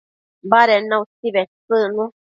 baded na utsi bedtsëcnu